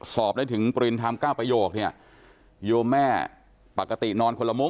สอบได้ถึงปริณธรรม๙ประโยคเนี่ยโยมแม่ปกตินอนคนละมุก